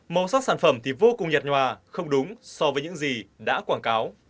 màu sắc sản phẩm thì vô cùng nhạt nhòa không đúng so với những gì đã quảng cáo